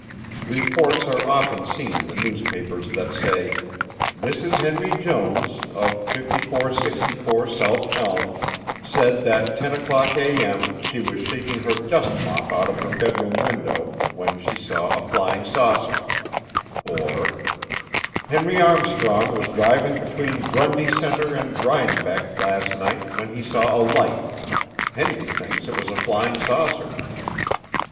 Reports are often seen in the newspapers that say: "Mrs. Henry Jones, of 5464 South Elm, said that 10:00A.M. she was shaking her dust mop out of the bedroom window when she saw a flying saucer"; or "Henry Armstrong was driving between Grundy Center and Rienbeck last night when he saw a light. Henry thinks it was a flying saucer."